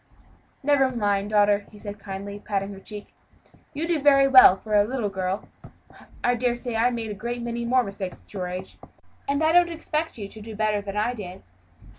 "Never mind, daughter," he said kindly, patting her cheek; "you do very well for a little girl; I dare say I made a great many more mistakes at your age, and I don't expect you to do better than I did."